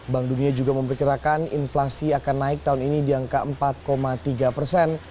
bank dunia juga memperkirakan inflasi akan naik tahun ini di angka empat tiga persen